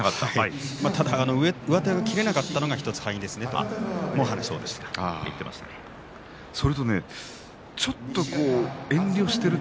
上手が切れなかったのが１つ敗因ですねと話していました。